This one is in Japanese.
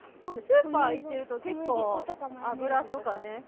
スーパー行ってると、結構、油とかね。